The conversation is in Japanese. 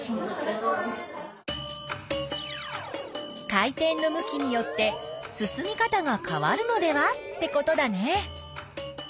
回転の向きによって進み方が変わるのではってことだね。